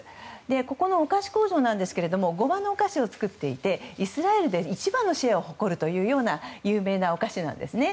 ここのお菓子工場ですがゴマのお菓子を作っていてイスラエルで一番のシェアを誇る有名なお菓子なんですね。